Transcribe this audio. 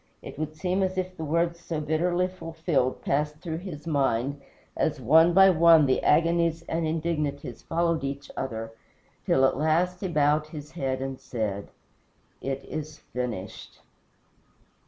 It would seem as if the words so bitterly fulfilled passed through his mind, as one by one the agonies and indignities followed each other, till at last he bowed his head and said, "It is finished."